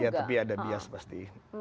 ya tapi ada bias pasti